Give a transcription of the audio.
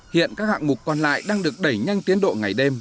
hiện các hạng mục còn lại đang được đẩy nhanh tiến độ ngày đêm